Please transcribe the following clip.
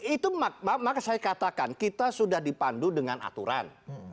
itu maka saya katakan kita sudah dipandu dengan aturan